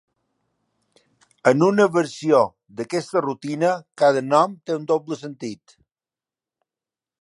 En una versió d'aquesta rutina, cada nom té un doble sentit.